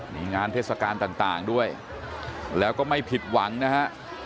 มีงานเทศกาลต่างด้วยแล้วก็ไม่ผิดหวังนะฮะ